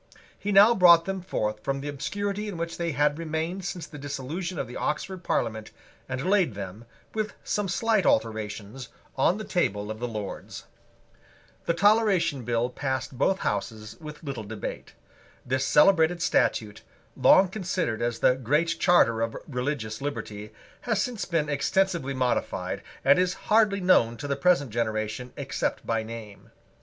He now brought them forth from the obscurity in which they had remained since the dissolution of the Oxford Parliament, and laid them, with some slight alterations, on the table of the Lords. The Toleration Bill passed both Houses with little debate. This celebrated statute, long considered as the Great Charter of religious liberty, has since been extensively modified, and is hardly known to the present generation except by name.